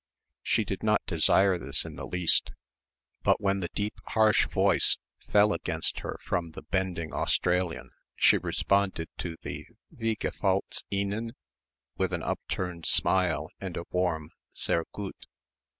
She did not desire this in the least, but when the deep harsh voice fell against her from the bending Australian, she responded to the "Wie gefällt's Ihnen?" with an upturned smile and a warm "sehr gut!"